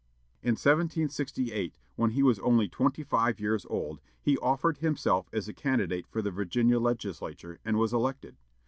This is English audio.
In 1768, when he was only twenty five years old, he offered himself as a candidate for the Virginia Legislature, and was elected.